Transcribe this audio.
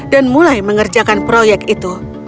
dan mulai mengerjakan proyek itu